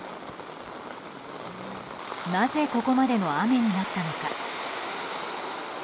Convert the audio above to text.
なぜここまでの雨になったのか。